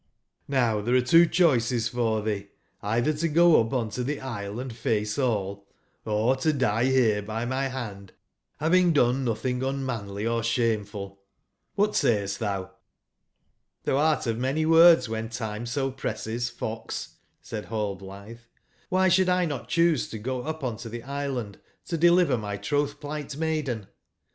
JVow tbere are two cboices for tbee: eitber to go up on to tbe Isle and face all; or to die bere by my band baving done notbing unmanly or sbamef ul : CQbat sayest tbou 7'* j0'* XTbou art of many words wben time so presses, fox,*' said Hall blitbe/'Cdby sbouldlnot cboose to go up on to tbe Island to deliver my trotbpligbt maiden